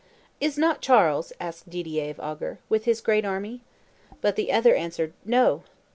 'Is not Charles,' asked Didier of Ogger, 'with this great army?' But the other answered, 'No.